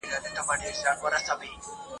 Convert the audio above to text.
د مځکي مور مېړه يا زوی د زرغونیدا نخښه جوړه سوه